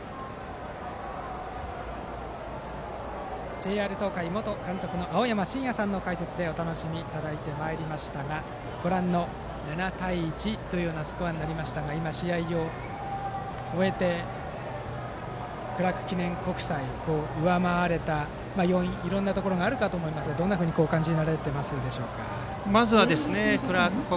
ＪＲ東海元監督の青山眞也さんの解説でお楽しみいただいてまいりましたがご覧の７対１というようなスコアになりましたが今、試合を終えてクラーク記念国際が上回れた要因はいろいろなところがあると思いますが、どう感じますか。